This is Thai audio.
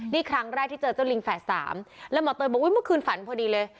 นี่ครั้งแรกที่เจอเจ้าลิงแฝดสามแล้วหมอเตยบอกว่าเมื่อคืนฝันพอดีเลย